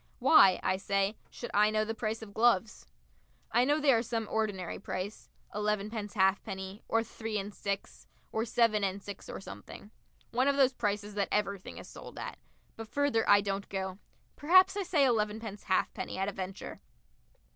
Why, I say, should I know the price of gloves? I know they are some ordinary price elevenpence halfpenny, or three and six, or seven and six, or something one of those prices that everything is sold at but further I don't go. Perhaps I say elevenpence halfpenny at a venture.